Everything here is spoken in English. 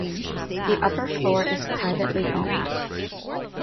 The upper floor is privately owned.